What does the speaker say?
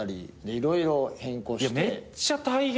めっちゃ大変。